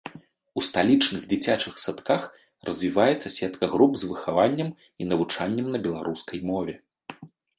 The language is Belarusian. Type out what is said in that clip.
У сталічных дзіцячых садках развіваецца сетка груп з выхаваннем і навучаннем на беларускай мове.